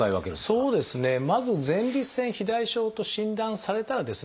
まず前立腺肥大症と診断されたらですね